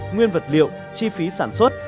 nguyên vật liệu chi phí sản xuất